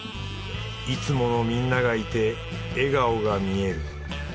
いつものみんながいて笑顔が見える。